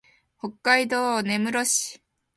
北海道根室市